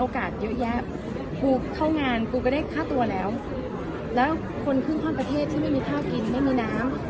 กูเข้างานกูก็ได้ค่าตัวแล้วแล้วคนขึ้นข้างประเทศที่ไม่มีค่ากินไม่มีน้ำ